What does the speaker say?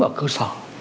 ở cơ sở